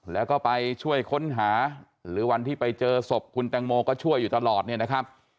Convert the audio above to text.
แล้วก็ไปช่วยค้นหาหรือวันที่ไปเจอศพคุณแตงโมก็ช่วยอยู่ตลอดเนี่ยนะครับ